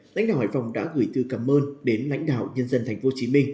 lãnh đạo hải phòng đã gửi thư cảm ơn đến lãnh đạo nhân dân tp hcm